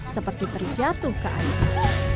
seperti terjatuh ke air